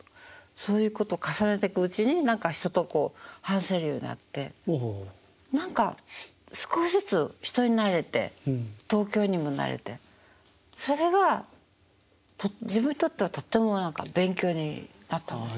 そういうこと重ねてくうちに何か人と話せるようになって何か少しずつ人に慣れて東京にも慣れてそれが自分にとってはとっても勉強になったんですね。